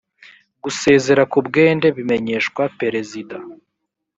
gusezera ku bwende bimenyeshwa perezida